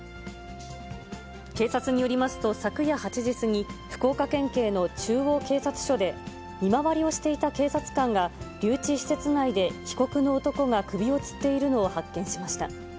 警察によりますと、昨夜８時過ぎ、福岡県警の中央警察署で、見回りをしていた警察官が、留置施設内で被告の男が首をつっているのを発見しました。